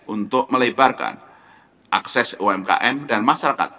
untuk melebarkan akses umkm dan masyarakat